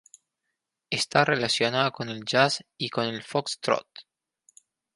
Está relacionado con el jazz y con el Foxtrot.